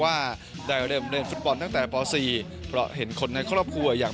ว่าได้เริ่มเล่นฟุตบอลตั้งแต่ป๔เพราะเห็นคนในครอบครัวอย่าง